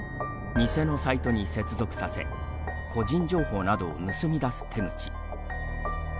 偽のサイトに接続させ個人情報などを盗み出す手口。